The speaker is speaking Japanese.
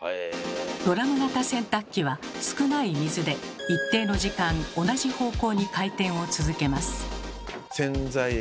ドラム型洗濯機は少ない水で一定の時間同じ方向に回転を続けます。